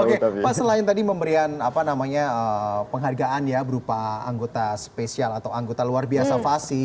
oke pak selain tadi memberikan penghargaan ya berupa anggota spesial atau anggota luar biasa fasi